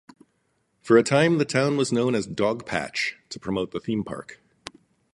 For a time, the town was known as Dogpatch to promote the theme park.